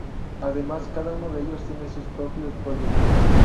Además, cada uno de ellos tiene sus propios proyectos.